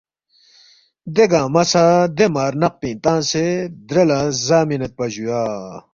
دے گنگمہ سہ دے مار نق پِنگ تنگسے درے لہ زا مِنیدپا جُویا